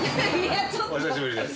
お久しぶりです。